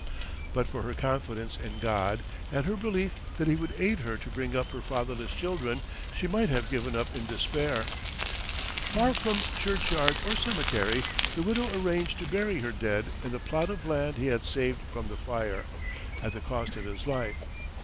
But for her confidence in God, and her belief that He would aid her to bring up her fatherless children, she might have given up in despair. Far from churchyard or cemetery, the widow arranged to bury her dead in the plot of land he had saved from the fire, at the cost of his life.